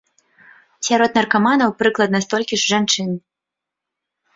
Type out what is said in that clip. Сярод наркаманаў прыкладна столькі ж жанчын.